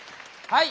はい！